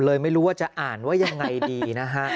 เลยไม่รู้จะอ่านไว้อย่างไรดีนะฮะ